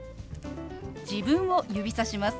自分を指さします。